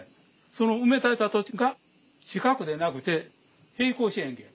その埋め立てた土地が四角でなくて平行四辺形。